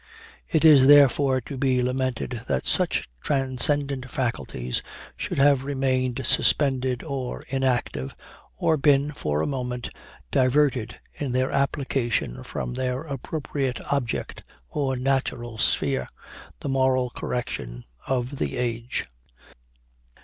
It is, therefore, to be lamented that such transcendent faculties should have remained suspended or inactive, or been, for a moment, diverted in their application from their appropriate object or natural sphere the moral correction of the age."